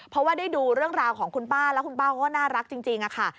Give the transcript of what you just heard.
เพราะว่าได้ดูเรื่องราวของคุณป้าแล้วคุณป้าเขาก็น่ารักจริงค่ะ